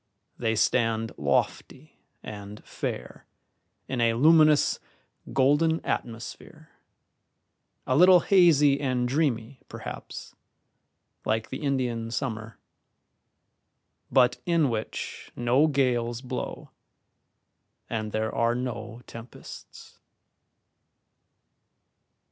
They stand lofty and fair in a luminous, golden atmosphere, a little hazy and dreamy, perhaps, like the Indian summer, but in which no gales blow and there are no tempests.